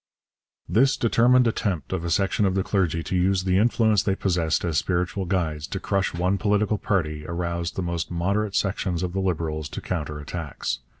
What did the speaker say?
This determined attempt of a section of the clergy to use the influence they possessed as spiritual guides to crush one political party aroused the most moderate sections of the Liberals to counter attacks.